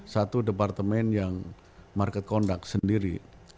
satu departemen yang market conduct sendiri